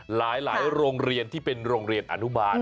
หลายโรงเรียนที่เป็นโรงเรียนอนุบาล